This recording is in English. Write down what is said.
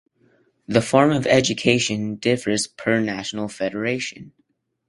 The form of education differs per national federation.